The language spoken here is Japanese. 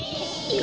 え。